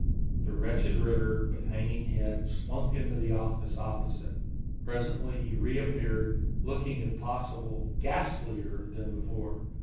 The wretched Ritter, with hanging head, slunk into the office opposite. Presently he reappeared, looking, if possible, ghastlier than before.